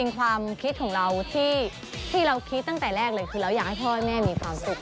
ความคิดของเราที่เราคิดตั้งแต่แรกเลยคือเราอยากให้พ่อให้แม่มีความสุข